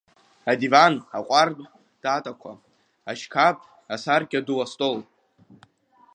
Адиван, аҟәардә татақәа, ашькаԥ, асаркьа ду, астол…